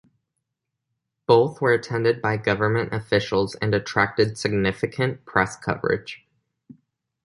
Both were attended by government officials, and attracted significant press coverage.